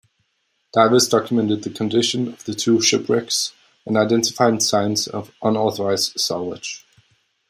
Divers documented the condition of the two shipwrecks, and identified signs of unauthorised salvage.